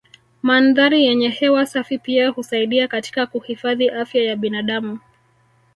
Mandhari yenye hewa safi pia husaidia katika kuhifadhi afya ya binadamu